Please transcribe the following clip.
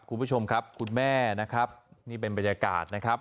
คุณผู้ชมครับคุณแม่นะครับนี่เป็นบรรยากาศนะครับ